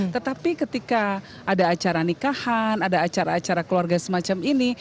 tetapi ketika ada acara nikahan ada acara acara keluarga semacam ini